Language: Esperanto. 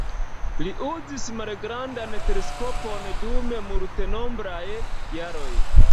Li uzis malgrandan teleskopon dum multenombraj jaroj.